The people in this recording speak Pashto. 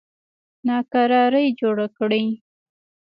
ناکراري جوړه کړي.